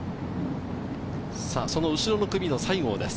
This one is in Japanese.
その後ろの組の西郷です。